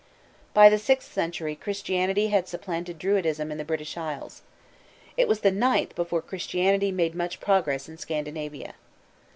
By the sixth century Christianity had supplanted Druidism in the British Isles. It was the ninth before Christianity made much progress in Scandinavia.